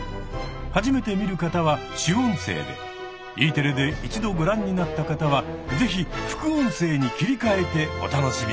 初めて見る方は主音声でＥテレで一度ご覧になった方はぜひ副音声に切りかえてお楽しみください。